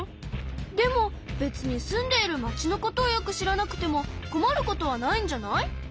でもべつに住んでいるまちのことをよく知らなくてもこまることはないんじゃない？